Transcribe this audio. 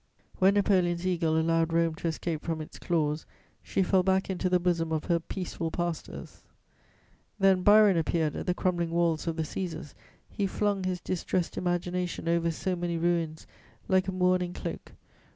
When Napoleon's eagle allowed Rome to escape from its claws, she fell back into the bosom of her peaceful pastors: then Byron appeared at the crumbling walls of the Cæsars; he flung his distressed imagination over so many ruins, like a mourning cloak.